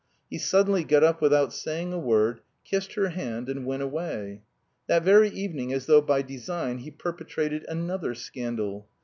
He suddenly got up without saying a word, kissed her hand and went away. That very evening, as though by design, he perpetrated another scandal.